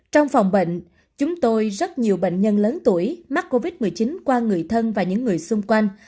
trong phòng bệnh chúng tôi rất nhiều bệnh nhân lớn tuổi mắc covid một mươi chín qua người thân và những người xung quanh